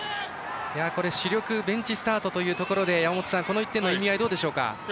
主力、ベンチスタートというところでこの１点の意味合いどうでしょうか。